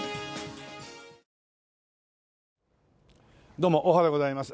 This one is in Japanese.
どうもおはでございます。